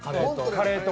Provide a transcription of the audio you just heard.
カレーと。